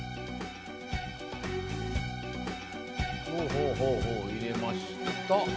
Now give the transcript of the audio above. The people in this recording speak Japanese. ほうほうほうほういれました。